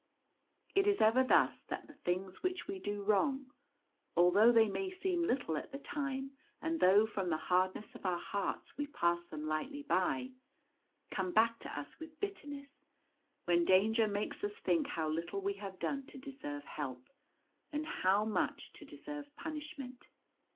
It is ever thus that the things which we do wrong — although they may seem little at the time, and though from the hardness of our hearts we pass them lightly by — come back to us with bitterness, when danger makes us think how little we have done to deserve help, and how much to deserve punishment.